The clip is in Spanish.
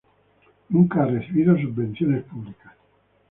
Nunca ha recibido subvenciones públicas.